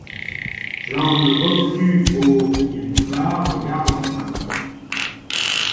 L'angle obtus aux du boulevard en garde l'empreinte.